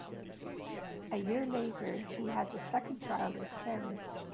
A year later, he has a second child with Terry.